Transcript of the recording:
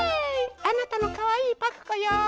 あなたのかわいいパクこよ。